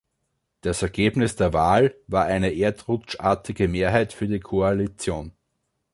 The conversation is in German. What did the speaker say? Das Ergebnis der Wahl war eine erdrutschartige Mehrheit für die Koalition.